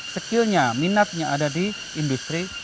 skill nya minatnya ada di industri